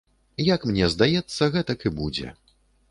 Як мне здаецца, гэтак і будзе.